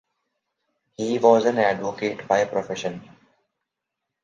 He was an Advocate by profession.